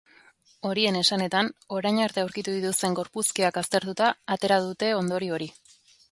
Horien esanetan, orain arte aurkitu dituzten gorpuzkiak aztertuta atera dute ondorio hori.